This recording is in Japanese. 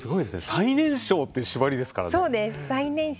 最年少という縛りですからね。